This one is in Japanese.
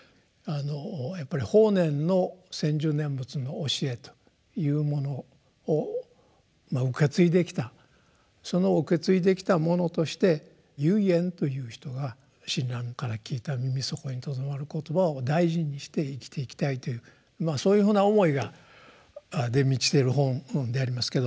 やっぱり法然の「専修念仏」の教えというものを受け継いできたその受け継いできた者として唯円という人が親鸞から聞いた耳底に留まる言葉を大事にして生きていきたいというそういうふうな思いで満ちてる本でありますけど。